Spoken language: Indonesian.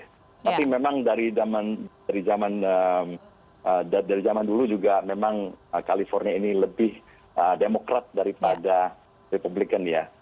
tapi memang dari zaman dulu juga memang california ini lebih demokrat daripada republikan ya